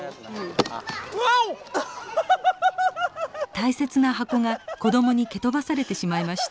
大切な箱が子供にけとばされてしまいました。